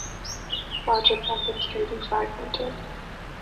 Larger packets can be fragmented.